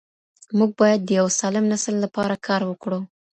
موږ بايد د يو سالم نسل لپاره کار وکړو.